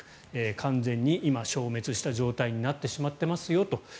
完全に今、消滅した状態になってしまっていますよと。